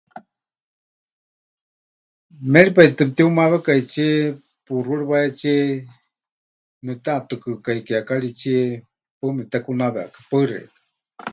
Méripai tɨ mɨtiumawekaitsie puuxúri wahetsíe mepɨteʼatɨkɨkai kiekaritsie, paɨ mepɨtekunawekai. Paɨ xeikɨ́a.